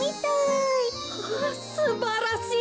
ああすばらしい！